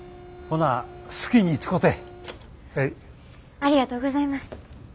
ありがとうございます。